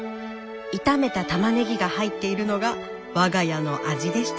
炒めたたまねぎが入っているのが「我が家の味」でした。